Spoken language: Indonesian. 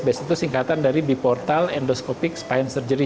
bes itu singkatan dari biportal endoscopic spine surgery